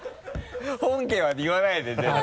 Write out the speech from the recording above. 本家は言わないで絶対。